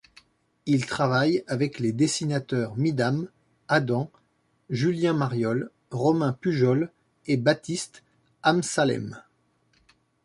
Il travaille avec les dessinateurs Midam, Adam, Julien Mariolle, Romain Pujol et Baptiste Amsallem.